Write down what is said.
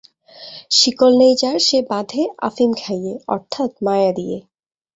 শিকল নেই যার সে বাঁধে আফিম খাইয়ে, অর্থাৎ মায়া দিয়ে।